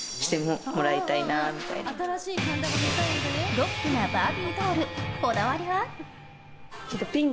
ロックなバービードールこだわりは。